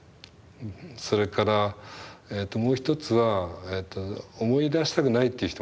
それからもう一つは思い出したくないっていう人もいる。